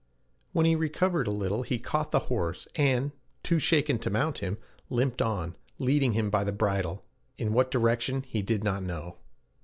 When he recovered a little, he caught the horse, and, too shaken to mount him, limped on, leading him by the bridle, in what direction he did not know.